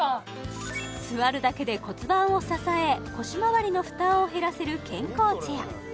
座るだけで骨盤を支え腰まわりの負担を減らせる健康チェア